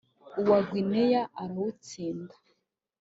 uwa Guinea arawutsinda